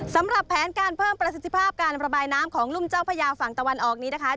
สำหรับแผนการเพิ่มประสิทธิภาพการระบายน้ำของรุ่มเจ้าพญาฝั่งตะวันออกนี้นะคะ